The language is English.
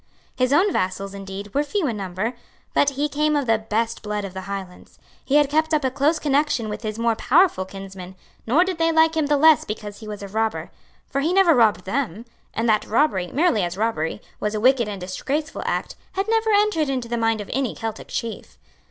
His own vassals, indeed, were few in number; but he came of the best blood of the Highlands; he had kept up a close connection with his more powerful kinsmen; nor did they like him the less because he was a robber; for he never robbed them; and that robbery, merely as robbery, was a wicked and disgraceful act, had never entered into the mind of any Celtic chief.